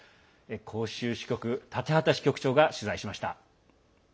広州支局建畠支局長が取材しました。